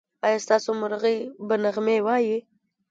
ایا ستاسو مرغۍ به نغمې وايي؟